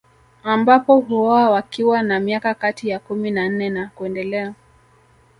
Ambapo huoa wakiwa na miaka kati ya kumi na nane na kuendelea